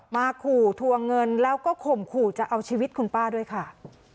มาขู่ทวงเงินแล้วก็ข่มขู่จะเอาชีวิตคุณป้าด้วยค่ะ